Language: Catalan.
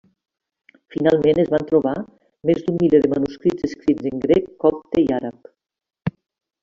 Finalment es van trobar més d'un miler de manuscrits escrits en grec, copte i àrab.